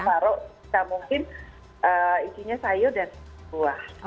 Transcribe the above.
kalau kita mungkin isinya sayur dan buah